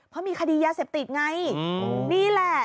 เพราะมีคดียศปิตย์นี่แหละ